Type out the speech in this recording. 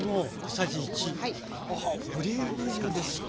あっオリーブ油ですか。